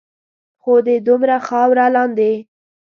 خو د دومره خاورو لاندے